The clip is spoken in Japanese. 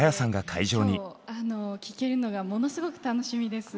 今日聴けるのがものすごく楽しみです。